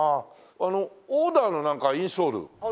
あのオーダーのなんかインソール？